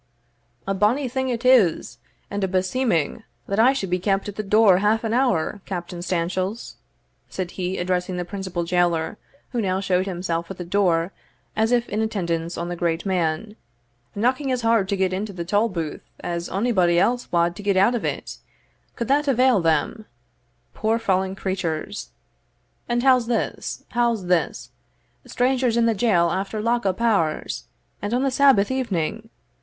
"A bonny thing it is, and a beseeming, that I should be kept at the door half an hour, Captain Stanchells," said he, addressing the principal jailor, who now showed himself at the door as if in attendance on the great man, "knocking as hard to get into the tolbooth as onybody else wad to get out of it, could that avail them, poor fallen creatures! And how's this? how's this? strangers in the jail after lock up hours, and on the Sabbath evening!